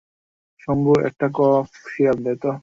শম্ভু, একটা cough syrup দে তো।